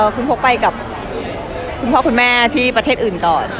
คุณพกไปกับคุณพ่อคุณแม่ที่ประเทศอื่นก่อน